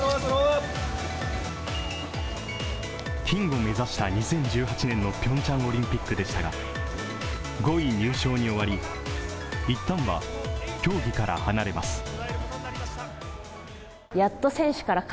金を目指した２０１８年のピョンチャンオリンピックでしたが、５位入賞に終わり、一旦は競技から離れます。